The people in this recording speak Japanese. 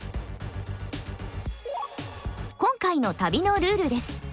今回の旅のルールです。